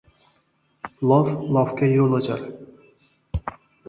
• Lof lofga yo‘l ochar.